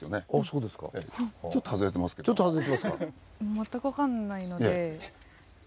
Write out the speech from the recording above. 全く分かんないので。